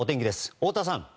太田さん。